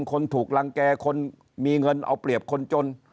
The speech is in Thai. คนถูกรังแก่คนมีเงินเอาเปรียบคนจน